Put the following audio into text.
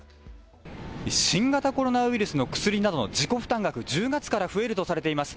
新型コロナウイルスの薬などの自己負担額、１０月から増えるとされています。